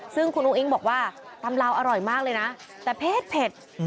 ซึ่งคุณอุ้งบอกว่าตำลาวอร่อยมากเลยนะแต่เผ็ด